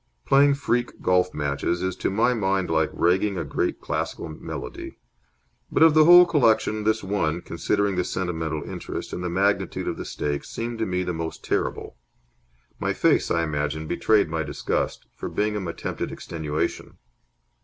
Playing freak golf matches is to my mind like ragging a great classical melody. But of the whole collection this one, considering the sentimental interest and the magnitude of the stakes, seemed to me the most terrible. My face, I imagine, betrayed my disgust, for Bingham attempted extenuation.